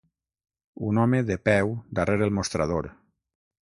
Un home de peu darrere el mostrador.